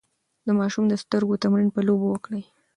د ماشوم د سترګو تمرين په لوبو وکړئ.